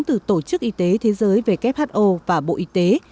từ tổ chức y tế thế giới về kho và bộ y tế